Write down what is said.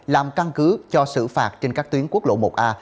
làm căn cứ cho xử phạt trên các tuyến quốc lộ một a